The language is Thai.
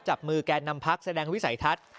จับมือแกนนำพักแสดงวิสัยทัศน์